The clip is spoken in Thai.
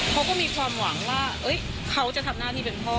เขาก็มีความหวังว่าเขาจะทำหน้าที่เป็นพ่อ